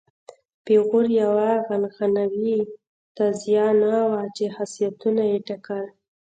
پیغور یوه عنعنوي تازیانه وه چې خاصیتونه یې ټاکل.